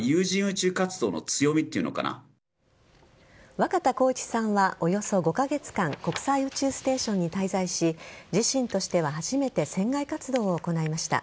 若田光一さんはおよそ５カ月間国際宇宙ステーションに滞在し自身としては初めて船外活動を行いました。